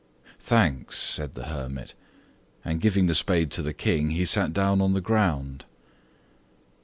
"Thanks!" said the hermit, and, giving the spade to the King, he sat down on the ground.